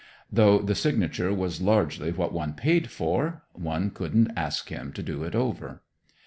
Though the signature was largely what one paid for, one couldn't ask him to do it over.